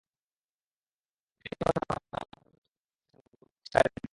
এরই মধ্যে আবার কাল হাঁটুর চোট নিয়ে মাঠ ছেড়েছেন গোলরক্ষক সার্জিও রোমেরো।